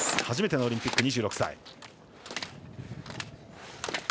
初めてのオリンピック、２６歳。